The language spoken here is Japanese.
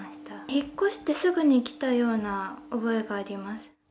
引っ越してすぐに来たような覚えがあります。